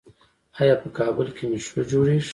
آیا په کابل کې میټرو جوړیږي؟